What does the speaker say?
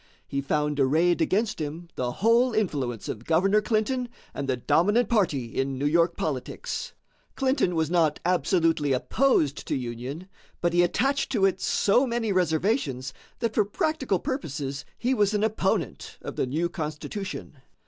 He found arrayed against him the whole influence of Governor Clinton and the dominant party in New York politics. Clinton was not absolutely opposed to union, but he attached to it so many reservations that for practical purposes he was an opponent of the new Constitution.